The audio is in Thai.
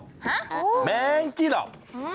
ฮะโอ้โฮแมงจี้หลอบ